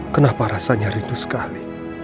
kenapa rasanya rindu sekali